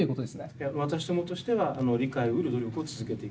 いや私どもとしては理解をうる努力を続けていく。